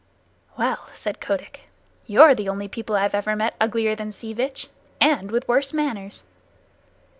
"Well!" said Kotick. "You're the only people I've ever met uglier than Sea Vitch and with worse manners."